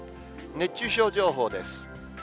熱中症情報です。